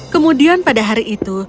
kemudian pada hari itu